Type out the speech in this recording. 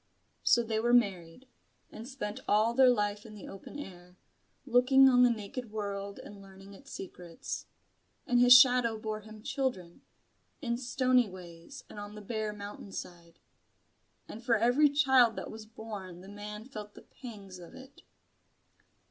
So they were married; and spent all their life in the open air, looking on the naked world and learning its secrets. And his shadow bore him children, in stony ways and on the bare mountain side. And for every child that was born the man felt the pangs of it.